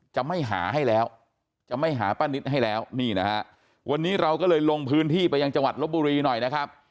จะไม่หาให้แล้วจะไม่หาป้านิตให้แล้วนี่นะฮะวันนี้เราก็เลยลงพื้นที่ไปยังจังหวัดลบบุรีหน่อยนะครับ